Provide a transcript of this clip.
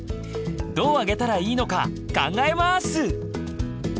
どうあげたらいいのか考えます。